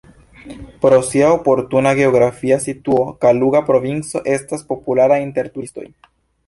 Pro sia oportuna geografia situo Kaluga provinco estas populara inter turistoj.